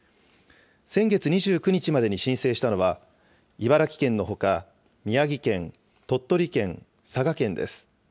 先月２９日までに申請したのは、茨城県のほか、宮城県、鳥取県、佐賀県です。